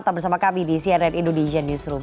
tetap bersama kami di cnn indonesian newsroom